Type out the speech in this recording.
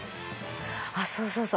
あっそうそうそう。